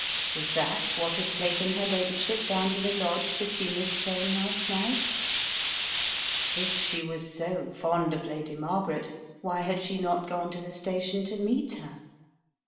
Was that what had taken her ladyship down to the lodge to see Miss Cheyne last night? If she was so fond of Lady Margaret, why had she not gone to the sta tion to meet her?